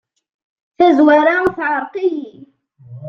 Tazwara teεreq-iyi.